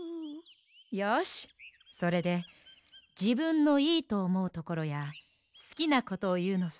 よしそれでじぶんのいいとおもうところやすきなことをいうのさ。